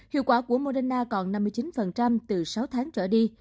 hiệu quả của moderna còn năm mươi chín từ sáu tháng trở đi